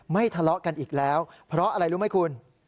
ทะเลาะกันอีกแล้วเพราะอะไรรู้ไหมคุณ